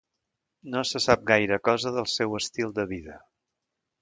No se sap gaire cosa del seu estil de vida.